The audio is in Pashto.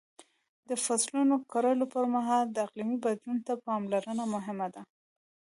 د فصلونو د کرلو پر مهال د اقلیم بدلون ته پاملرنه مهمه ده.